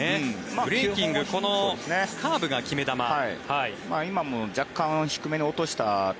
ブレーキングカーブが決め球。